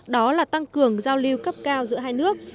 đó là tăng cường giao lưu cấp cao giữa hai nước